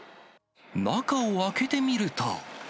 中を開けてみると。